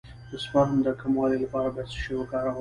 د سپرم د کموالي لپاره باید څه شی وکاروم؟